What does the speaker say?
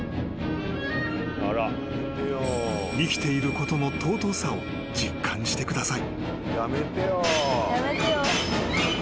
［生きていることの尊さを実感してください］